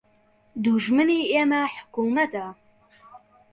دوژمنی ئێمە حکومەتە